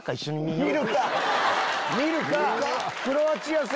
見るか！